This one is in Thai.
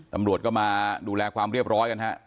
ตำรวจก็มาดูแลความเรียบร้อยกันฮะ